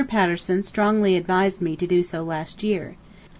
Patterson strongly advised me to do so last year.